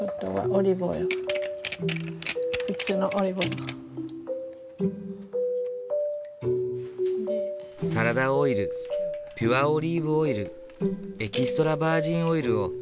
サラダオイルピュアオリーブオイルエキストラバージンオイルを同量混ぜる。